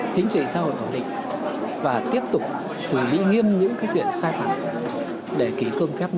chính trị xã hội tổng định và tiếp tục xử lý nghiêm những cái chuyện sai phản để ký cơm phép